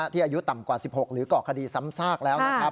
อายุต่ำกว่า๑๖หรือก่อคดีซ้ำซากแล้วนะครับ